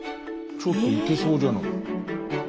ちょっと行けそうじゃない。